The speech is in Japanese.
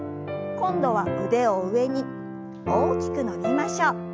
今度は腕を上に大きく伸びましょう。